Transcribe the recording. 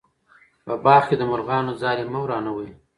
په باغ کې د مرغانو ځالې مه ورانوئ.